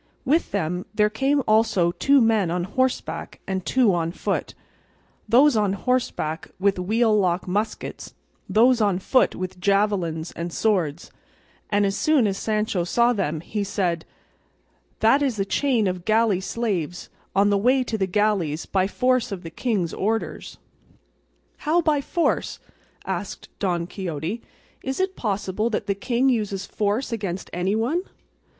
With them there came also two men on horseback and two on foot; those on horseback with wheel lock muskets, those on foot with javelins and swords, and as soon as Sancho saw them he said: "That is a chain of galley slaves, on the way to the galleys by force of the king's orders." "How by force?" asked Don Quixote; "is it possible that the king uses force against anyone?"